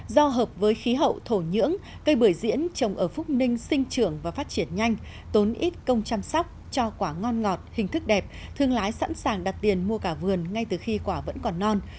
do hợp với khí hậu thổ nhưỡng cây bưởi diễn trồng ở phúc ninh sinh trưởng và phát triển nhanh tốn ít công chăm sóc cho quả ngon ngọt hình thức đẹp thương lái sẵn sàng đặt tiền mua cả vườn ngay từ khi quả vẫn còn non